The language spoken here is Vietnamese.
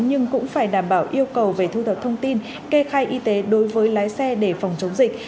nhưng cũng phải đảm bảo yêu cầu về thu thập thông tin kê khai y tế đối với lái xe để phòng chống dịch